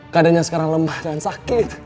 keadaanya sekarang lemah dengan sakit